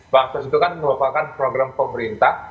bahan sos itu kan merupakan program pemerintah